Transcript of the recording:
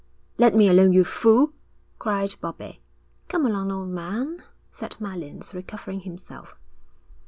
'Let me alone, you fool!' cried Bobbie. 'Come along, old man,' said Mallins, recovering himself.